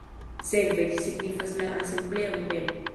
Sekve, ĝi signifas la asembleon mem.